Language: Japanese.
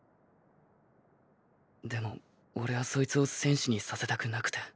でもオレはそいつを戦士にさせたくなくて。